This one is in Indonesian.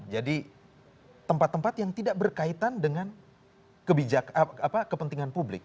jadi tempat tempat yang tidak berkaitan dengan kepentingan publik